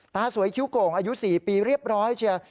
ตาสวยคิ้วโก่งอายุ๔ปีเรียบร้อยเชียว